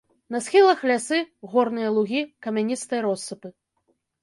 На схілах лясы, горныя лугі, камяністыя россыпы.